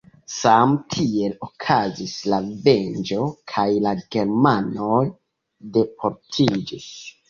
Same tiel okazis la venĝo kaj la germanoj deportiĝis.